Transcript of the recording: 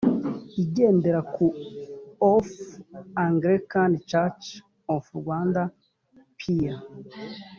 igendera ku of anglican church of rwanda pear